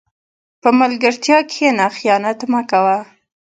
په ملګرتیا کښېنه، خیانت مه کوه.